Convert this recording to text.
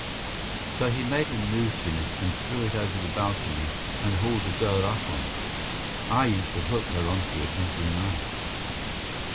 So he made a noose in it and threw it over the balcony and hauled the girl up on it. I used to hook her on to it every night.